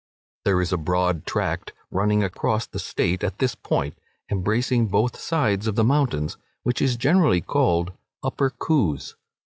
There is a broad tract running across the State at this point, embracing both sides of the mountains, which is generally called Upper Coos.